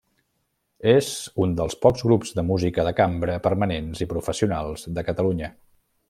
És un del pocs grups de música de cambra permanents i professionals de Catalunya.